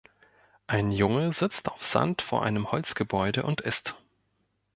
Ein Junge sitzt auf Sand vor einem Holzgebäude und isst.